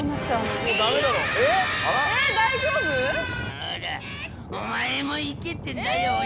「ほらお前も行けってんだよ親父」